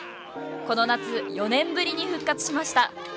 この夏、４年ぶりに復活しました。